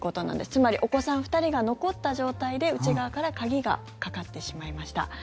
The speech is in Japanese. つまりお子さん２人が残った状態で内側から鍵がかかってしまいました。